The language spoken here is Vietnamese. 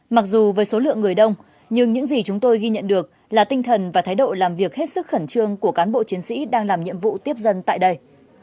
mặc dù với số lượng người đông nhưng những gì chúng tôi ghi nhận được là tinh thần và thái độ làm việc hết sức khẩn trương của cán bộ chiến sĩ đang làm nhiệm vụ tiếp dân tại đây